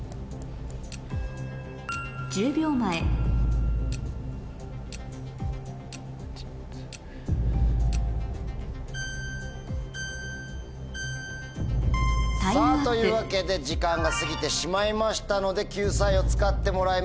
１０秒前さぁというわけで時間が過ぎてしまいましたので救済を使ってもらいます。